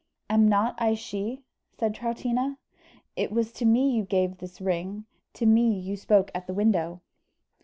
"Am not I she?" said Troutina. "It was to me you gave this ring; to me you spoke at the window."